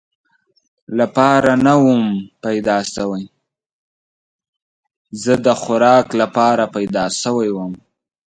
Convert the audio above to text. لپاره نه ووم پیدا شوی، زه د خوراک لپاره پیدا شوی ووم.